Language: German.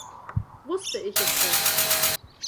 Wusste ich es doch!